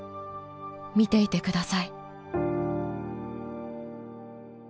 見ていてください」。